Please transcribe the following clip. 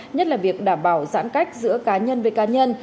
nhất là việc đảm bảo giãn cách giữa cá nhân với cá nhân